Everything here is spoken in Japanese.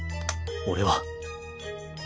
俺は。